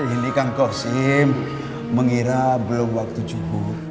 ini kang koshim mengira belum waktu zuhur